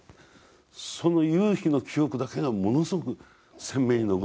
その夕日の記憶だけがものすごく鮮明に残ってるんですね。